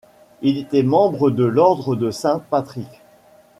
Il était membre de l'Ordre de Saint-Patrick.